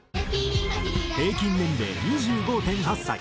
平均年齢２５．８歳。